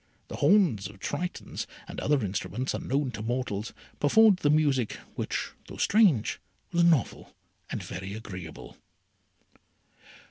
The horns of Tritons, and other instruments unknown to mortals, performed the music, which, though strange, was novel and very agreeable.